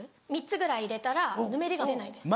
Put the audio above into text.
３つぐらい入れたらぬめりが出ないです。